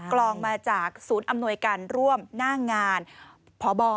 กลองมาจากศูนย์อำนวยการร่วมหน้างานพบ